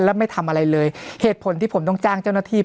แล้วไม่ทำอะไรเลยเหตุผลที่ผมต้องจ้างเจ้าหน้าที่